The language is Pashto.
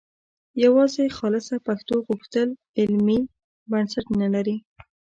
یوازې خالصه پښتو غوښتل علمي بنسټ نه لري